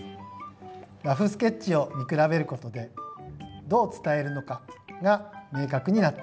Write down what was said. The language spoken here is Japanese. ラフスケッチを見比べることでどう伝えるのかが明確になっていきます。